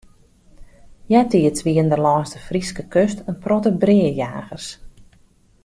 Eartiids wienen der lâns de Fryske kust in protte breajagers.